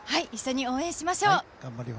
一緒に応援しましょう。